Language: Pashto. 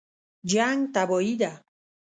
جنګ تباهي ده